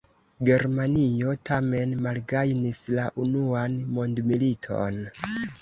Germanio tamen malgajnis la Unuan mondmiliton.